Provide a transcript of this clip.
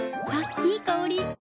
いい香り。